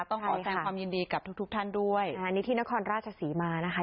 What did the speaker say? ต้องขอแสดงความยินดีกับทุกทุกท่านด้วยอันนี้ที่นครราชศรีมานะคะ